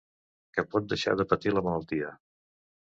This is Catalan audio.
Que pot deixar de patir la malaltia.